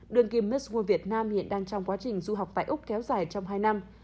đường kim nusworld việt nam hiện đang trong quá trình du học tại úc kéo dài trong hai năm